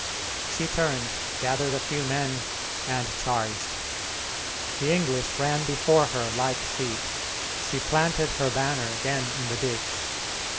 She turned, gathered a few men, and charged. The English ran before her like sheep; she planted her banner again in the ditch.